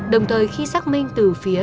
đồng thời khi xác minh từ phía